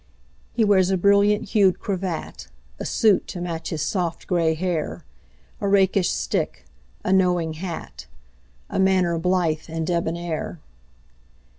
He wears a brilliant hued cravat,A suit to match his soft gray hair,A rakish stick, a knowing hat,A manner blithe and debonair.